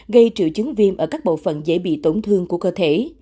gây triệu chứng viêm ở các bộ phận dễ bị tổn thương của cơ thể